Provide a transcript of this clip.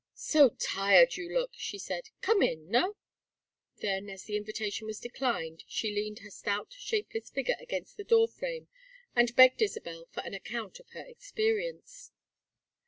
"So tired you look," she said. "Come in, no?" Then, as the invitation was declined, she leaned her stout shapeless figure against the door frame and begged Isabel for an account of her experience.